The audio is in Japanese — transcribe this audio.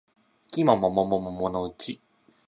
季も桃も桃のうち